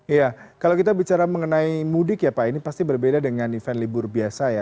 iya kalau kita bicara mengenai mudik ya pak ini pasti berbeda dengan event libur biasa ya